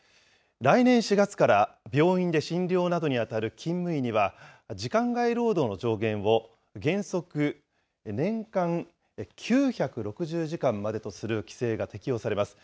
来年４月から、病院で診療などに当たる勤務医には、時間外労働の上限を、原則、年間９６０時間までとする規制が適用されます。